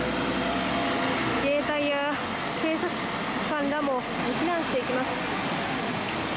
自衛隊や警察官らも避難していきます。